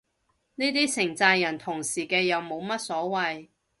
呢啲成咋人同時嘅又冇乜所謂